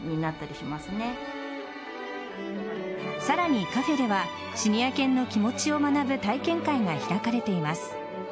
さらに、カフェではシニア犬の気持ちを学ぶ体験会が開かれています。